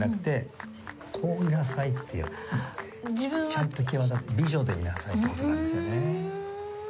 ちゃんと際立って美女でいなさいっていう事なんですよね。